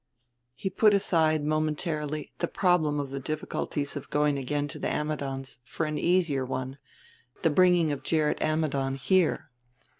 He put aside, momentarily, the problem of the difficulties of going again to the Ammidons' for an easier one the bringing of Gerrit Ammidon here.